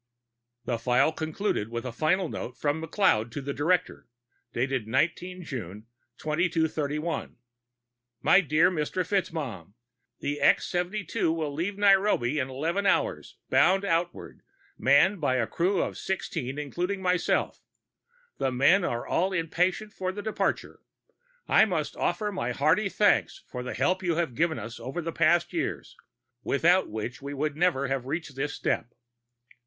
_ The file concluded with a final note from McLeod to the director, dated 19 June 2231: My dear Mr. FitzMaugham: _The X 72 will leave Nairobi in eleven hours, bound outward, manned by a crew of sixteen, including myself. The men are all impatient for the departure. I must offer my hearty thanks for the help you have given us over the past years, without which we would never have reached this step.